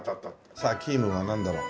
さあキームンはなんだろう？